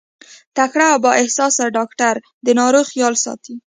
تکړه او با احساسه ډاکټر د ناروغ خيال ساتي.